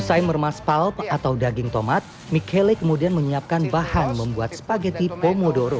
setelah meremas palp atau daging tomat michele kemudian menyiapkan bahan membuat spaghetti pomodoro